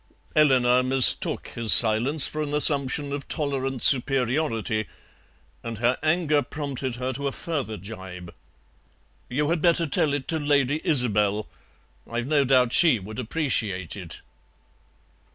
Eleanor mistook his silence for an assumption of tolerant superiority, and her anger prompted her to a further gibe. "You had better tell it to Lady Isobel. I've no doubt she would appreciate it."